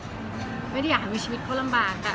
ไม่ได้อยากเลยบอกว่าไม่ชีวิตเขาลำบาก